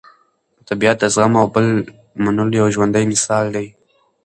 طبیعت د زغم او بل منلو یو ژوندی مثال دی.